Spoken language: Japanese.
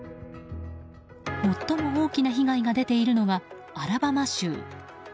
最も大きな被害が出ているのはアラバマ州。